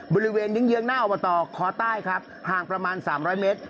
บริเวณเยื้องหน้าอบตคอใต้ครับห่างประมาณ๓๐๐เมตร